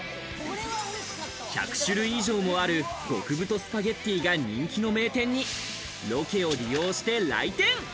１００種類以上もある、極太スパゲッティが人気の名店にロケを利用して来店。